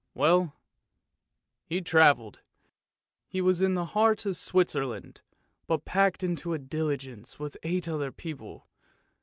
Well, he travelled. He was in the heart of Switzerland, but packed into a diligence with eight other people.